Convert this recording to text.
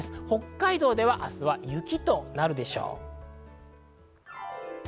北海道では明日は雪となるでしょう。